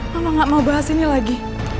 mama gak mau bahas ini lagi